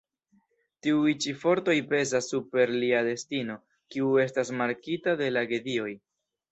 Tiuj ĉi fortoj pezas super lia destino, kiu estas markita de la gedioj.